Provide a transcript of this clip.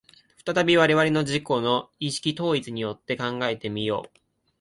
再び我々の自己の意識統一によって考えて見よう。